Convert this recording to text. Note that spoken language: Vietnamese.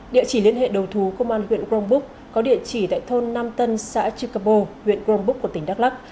địa chỉ liên hệ đầu thú công an huyện grongbuk có địa chỉ tại thôn nam tân xã chikabo huyện grongbuk của tỉnh đắk lắc